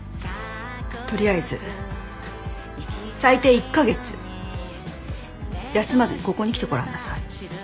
とりあえず最低１カ月休まずにここに来てごらんなさい。